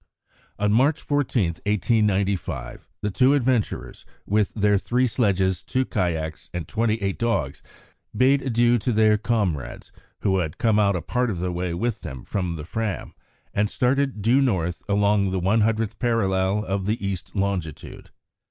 On March 14, 1895, the two adventurers, with their three sledges, two kayaks, and twenty eight dogs, bade adieu to their comrades, who had come out a part of the way with them from the Fram, and started due north along the 100th parallel of East longitude.